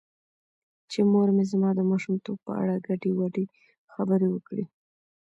چې مور مې زما د ماشومتوب په اړه ګډې وګډې خبرې وکړې .